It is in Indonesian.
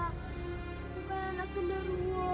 bukan anak gendar gua